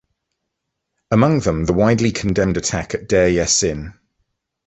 Among them the widely condemned attack at Deir Yassin.